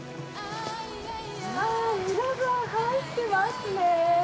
ああ、皆さん、入ってますね。